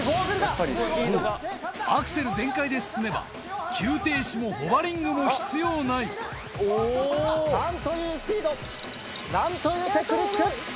そうアクセル全開で進めば急停止もホバリングも必要ない何というスピード何というテクニック！